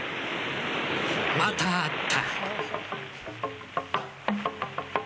またあった。